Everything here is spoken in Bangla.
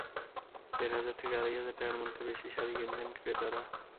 দেড় হাজার থেকে আড়াই হাজার টাকার মধ্যে বেশি শাড়ি কিনছেন ক্রেতারা।